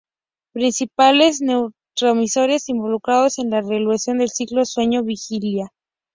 Principales neurotransmisores involucrados en la regulación del ciclo sueño-vigilia.